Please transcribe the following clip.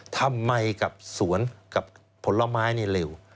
ทำไมกับสวนกับผลไม้นี่เร็ว